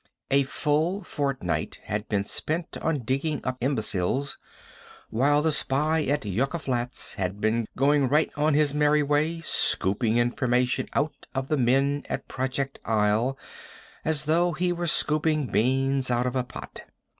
A full fortnight had been spent on digging up imbeciles, while the spy at Yucca Flats had been going right on his merry way, scooping information out of the men at Project Isle as though he were scooping beans out of a pot.